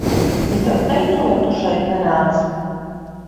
Es tev teicu, lai Tu šeit nenāc!